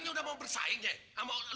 lu ngapain oli bersih bersih